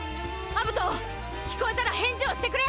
アブト聞こえたら返事をしてくれ。